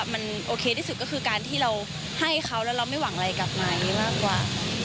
มันโอเคที่สุดก็คือการที่เราให้เขาแล้วเราไม่หวังอะไรกับไหมมากกว่า